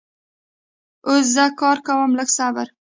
اوس زه کار کوم لږ صبر